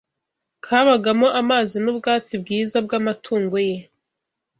kabagamo amazi n’ubwatsi bwiza bw’amatungo ye